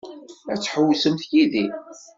Ad tḥewwsemt yid-i?